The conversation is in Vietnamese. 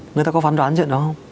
người ta có phán đoán chuyện đó không